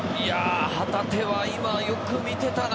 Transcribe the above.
旗手はよく見ていたな。